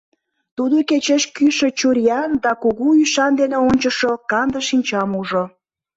Тудо кечеш кӱшӧ чуриян да кугу ӱшан дене ончышо канде шинчам ужо.